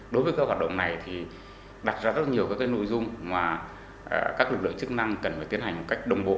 đối với các hoạt động này thì đặt ra rất nhiều các nội dung mà các lực lượng chức năng cần phải tiến hành một cách đồng bộ